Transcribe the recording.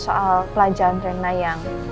soal pelajaran rena yang